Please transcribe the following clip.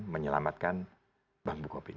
menyelamatkan bank bukopin